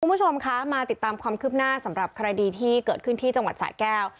คุณผู้ชมคะมาติดตามความคืบหน้าสำหรับคดีที่เกิดขึ้นที่จังหวัดสะแก้ว